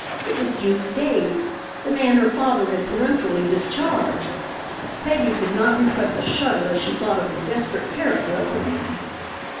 It was Jukes Dade, the man her father had peremptorily discharged. Peggy could not repress a shudder as she thought of the desperate character of the man.